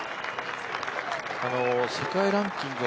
世界ランキング